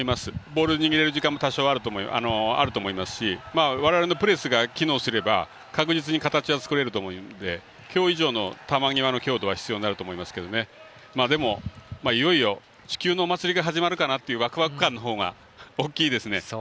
ボール握れる時間も多少、あると思いますし我々のプレスが機能すれば確実に形は作れると思うので今日以上の球際の強度は必要になると思いますけどいよいよ地球のお祭りが始まるというワクワク感のほうが大きいですね。